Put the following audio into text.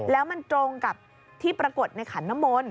แล้วมันตรงกับที่ปรากฏในขันนมล